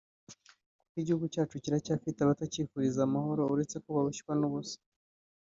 kuko igihugu cyacu kiracyafite abatakifuriza amahoro uretse ko barushywa n’ubusa